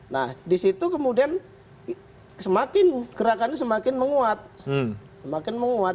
nah di situ kemudian gerakannya semakin menguat